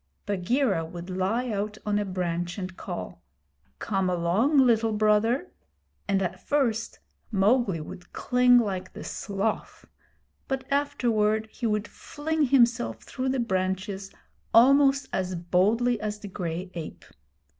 Bagheera would lie out on a branch and call, 'Come along, Little Brother,' and at first Mowgli would cling like the sloth, but afterward he would fling himself through the branches almost as boldly as the gray ape.